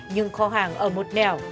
nhưng kho hàng ở một nẻo